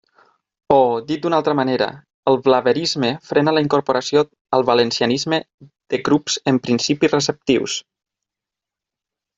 O, dit d'una altra manera, el blaverisme frena la incorporació al valencianisme de grups en principi receptius.